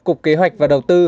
cục kế hoạch và đầu tư